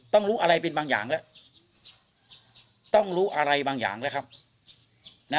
ต้องรู้อะไรเป็นบางอย่างแล้วต้องรู้อะไรบางอย่างแล้วครับนะ